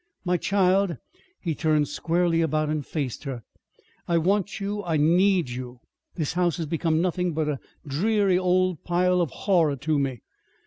"My child," he turned squarely about and faced her, "I want you. I need you. This house has become nothing but a dreary old pile of horror to me.